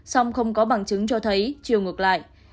song không có bằng chứng cho thấy chiều ngược lại